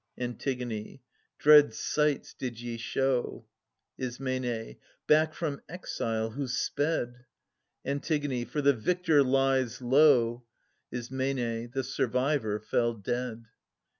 (Ant.) Ant. Dread sights did ye show — Is. Back from exile who sped. Ant. For the victor lies low — 980 Is. The survivor fell dead.